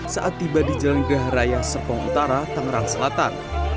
saat tiba di jalan gahar raya serpong utara tangerang selatan